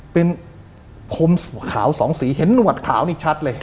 เป็นพรมขาวสองสีเห็นหนวดขาวนี่ชัดเลย